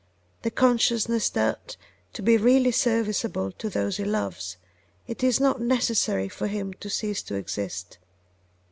the consciousness that, to be really serviceable to those he loves, it is not necessary for him to cease to exist.